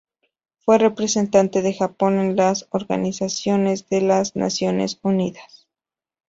Fue representante de Japón en la Organización de las Naciones Unidas.